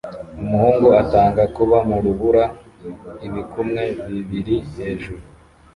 Umuhungu atanga kuba mu rubura ibikumwe bibiri hejuru